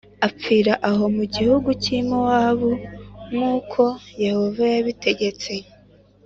apfira aho mu gihugu cy’i Mowabu nk’uko Yehova yabitegetse.